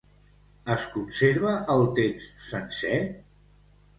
Es conserva el text sencer?